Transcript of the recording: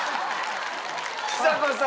ちさ子さん！